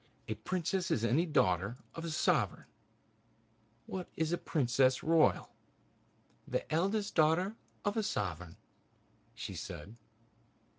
"A princess is any daughter of a sovereign. What is a princess royal?" "The eldest daughter of a sovereign," she said.